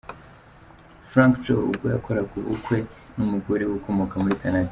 Frankie Joe ubwo yakoraga ubukwe n’umugore we ukomoka muri Canada.